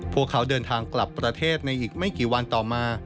พวกเขาเดินทางกลับประเทศในอีกไม่กี่วันต่อมา